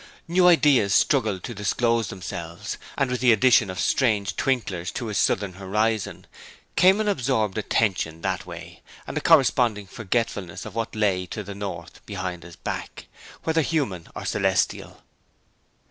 New ideas struggled to disclose themselves and with the addition of strange twinklers to his southern horizon came an absorbed attention that way, and a corresponding forgetfulness of what lay to the north behind his back, whether human or celestial.